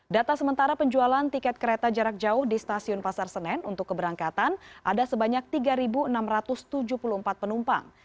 data sementara penjualan tiket kereta jarak jauh di stasiun pasar senen untuk keberangkatan ada sebanyak tiga enam ratus tujuh puluh empat penumpang